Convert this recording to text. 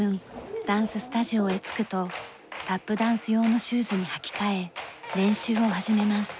ダンススタジオへ着くとタップダンス用のシューズに履き替え練習を始めます。